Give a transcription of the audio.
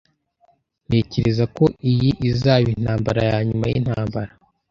Ntekereza ko iyi izaba intambara yanyuma yintambara.